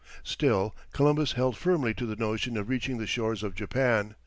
Still Columbus held firmly to the notion of reaching the shores of Japan.